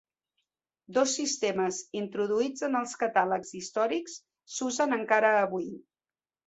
Dos sistemes introduïts en els catàlegs històrics s'usen encara avui.